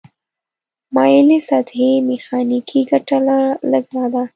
مایلې سطحې میخانیکي ګټه لږه ده.